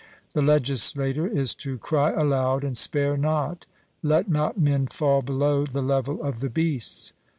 The legislator is to cry aloud, and spare not, 'Let not men fall below the level of the beasts.'